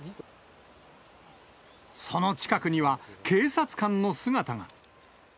その近くには、警察官の姿が。